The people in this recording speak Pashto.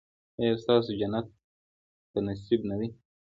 ایا ستاسو جنت په نصیب نه دی؟